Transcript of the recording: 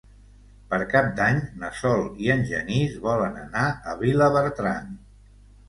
Per Cap d'Any na Sol i en Genís volen anar a Vilabertran.